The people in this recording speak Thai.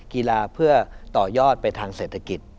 กีฬาเพื่อต่อยอดไปทางเศรษฐกิจ